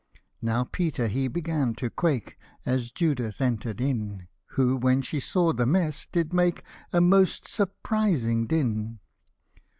Now Peter he began to quake, As Judith entered in ; Who, when she saw the mess, did make A most surprising din.